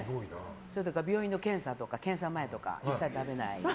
病院の検査とか前は一切食べない。